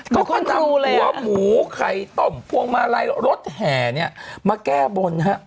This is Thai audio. คุณครูเลยอ่าก็นำหัวหมูไข่ต้มพวงมารัยรถแห่เนี่ยมาแก้บนครับ